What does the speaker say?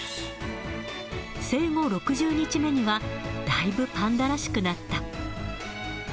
生後６０日目には、だいぶパンダらしくなった。